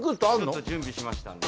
ちょっと準備しましたので。